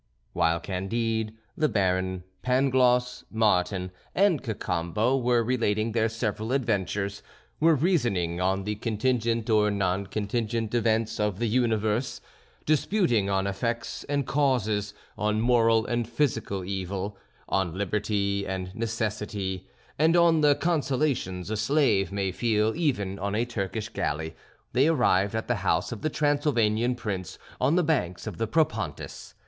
While Candide, the Baron, Pangloss, Martin, and Cacambo were relating their several adventures, were reasoning on the contingent or non contingent events of the universe, disputing on effects and causes, on moral and physical evil, on liberty and necessity, and on the consolations a slave may feel even on a Turkish galley, they arrived at the house of the Transylvanian prince on the banks of the Propontis.